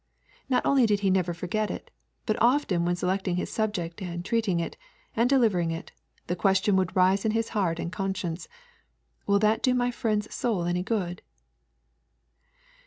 Not only did he never forget it, but often when selecting his subject, and treating it, and delivering it, the question would rise in his heart and conscience, Will that do my friend's soul any good?